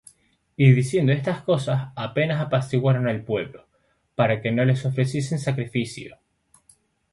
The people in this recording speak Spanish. Y diciendo estas cosas, apenas apaciguaron el pueblo, para que no les ofreciesen sacrificio.